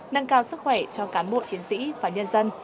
nâng cao sức khỏe cho cán bộ chiến sĩ và nhân dân